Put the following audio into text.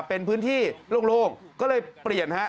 เป็นพื้นที่โล่งก็เลยเปลี่ยนฮะ